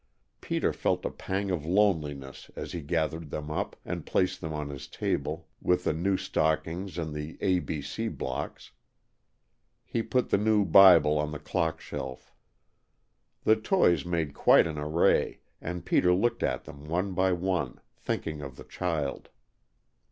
Peter felt a pang of loneliness as he gathered them up and placed them on his table with the new stockings and the A. B. C. blocks. He put the new "Bibel" on the clock shelf. The toys made quite an array, and Peter looked at them one by one, thinking of the child.